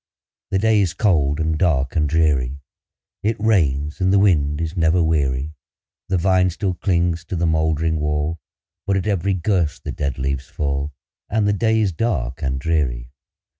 The day is cold, and dark, and dreary; It rains, and the wind is never weary; The vine still clings to the moldering wall, But at every gust the dead leaves fall, And the day is dark and dreary.